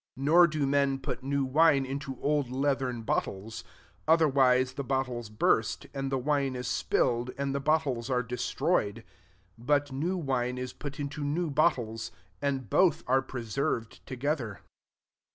17 Nor do men put new wine into old leathern bottles : other wise, the bottles burst, and the wine is spilled, and the bottles are destroyed : but new wine is put into new bottles, and both are preserved together."